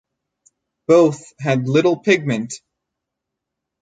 Both had little pigment.